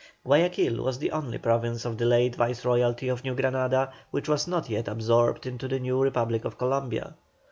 Guayaquil was the only province of the late Viceroyalty of New Granada which was not yet absorbed in the new Republic of Columbia.